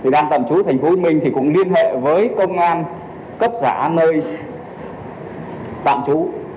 đang tạm trú ở tp hcm thì cũng liên hệ với công an cấp xã nơi tạm trú